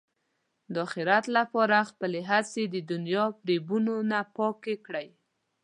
د اخرت لپاره خپلې هڅې د دنیا فریبونو نه پاک کړئ.